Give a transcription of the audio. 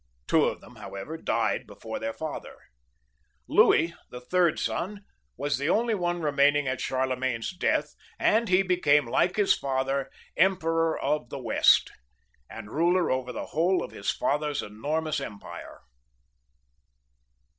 Two of them, however, died before their father. Louis, the third son, was thie only one remaining at Charlemagne's death, and he became, like his father. Emperor of the West, and ruler over the whole of his father's enormous empire.